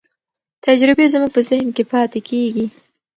تجربې زموږ په ذهن کې پاتې کېږي.